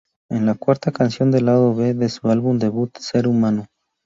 Es la cuarta canción del lado B de su álbum debut, "Ser humano!!